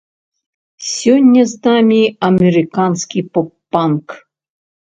Сёння з намі амерыканскі поп-панк.